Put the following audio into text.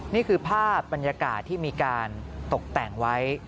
นี่คือภาพบรรยากาศที่มีการตกแต่งไว้